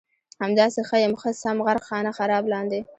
همداسې ښه یم ښه سم غرق خانه خراب لاندې